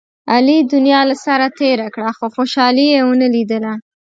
علي دنیا له سره تېره کړه، خو خوشحالي یې و نه لیدله.